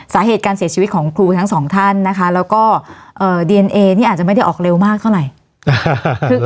สาเหตุการเสียชีวิตของครูทั้งสองท่านนะคะแล้วก็ดีเอนเอนี่อาจจะไม่ได้ออกเร็วมากเท่าไหร่